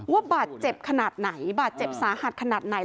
ว่าบาดเจ็บขนาดไหนบาดเจ็บสาหัสขนาดไหน